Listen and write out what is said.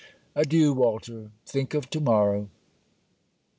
Adieu, Walter! Think of to morrow.